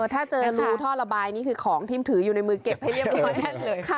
ถ้าเจอรูท่อระบายนี่คือของที่ถืออยู่ในมือเก็บให้เรียบร้อยแน่นเลยค่ะ